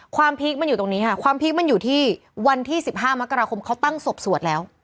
พีคมันอยู่ตรงนี้ค่ะความพีคมันอยู่ที่วันที่๑๕มกราคมเขาตั้งศพสวดแล้ว